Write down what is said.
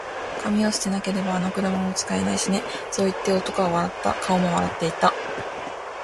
「紙を捨てなけれれば、あの車も使えないしね」そう言って、男は笑った。顔も笑っていた。